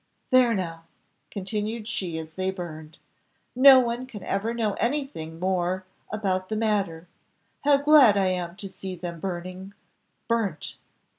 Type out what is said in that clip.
There now," continued she, as they burned, "no one can ever know anything more about the matter: how glad I am to see them burning! burnt!